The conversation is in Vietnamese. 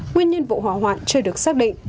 nguyên nhân vụ hỏa hoạn chưa được xác định